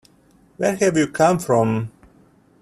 Where have you come from?